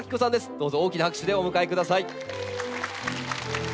どうぞ大きな拍手でお迎えください。